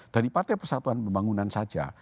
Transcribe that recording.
dari partai persatuan pembangunan saja